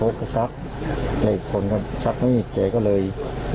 แกก็เลยหยุดนี่เอาเชิกหน่อย